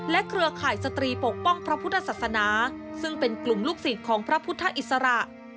เครือข่ายสตรีปกป้องพระพุทธศาสนาซึ่งเป็นกลุ่มลูกศิษย์ของพระพุทธอิสระ